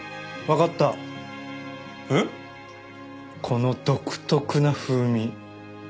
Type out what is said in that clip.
この独特な風味。